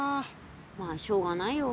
まあしょうがないよ。